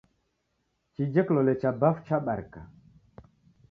Chije kilole cha bafu chabarika